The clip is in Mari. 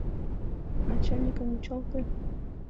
Начальникым вучалте.